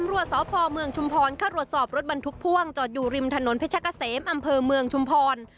รวดสอบภอมเมืองชุมพรค่ารวดสอบรถบรรทุกพ่วงจอดอยู่ริมถนนพิชกเสมอำเภอเมืองชุมพร